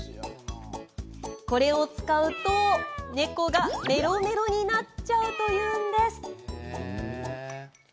これを使うと、猫がメロメロになっちゃうというんです。